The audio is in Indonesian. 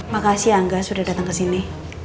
makasih angga sudah datang kesini